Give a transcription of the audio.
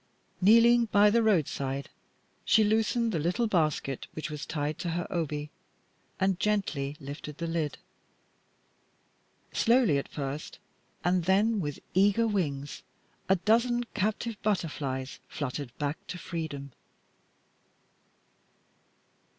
Kneeling by the roadside, she loosened the little basket which was tied to her obi and gently lifted the lid. Slowly at first, and then with eager wings, a dozen captive butterflies fluttered back to freedom.